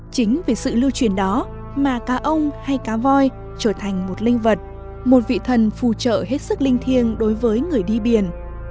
chính vì sự lưu truyền đó mà cá ông hay cá voi trở thành một linh vật một vị thần phù trợ hết sức linh thiêng đối với người đi biển